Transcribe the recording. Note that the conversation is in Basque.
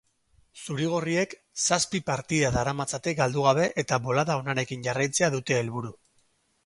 Zuri-gorriek zazpi partida daramatzate galdu gabe eta bolada onarekin jarraitzea dute helburu.